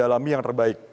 dan kami yang terbaik